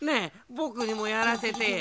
ぼくにもやらせてよ。